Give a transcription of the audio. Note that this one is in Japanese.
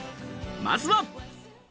まずは。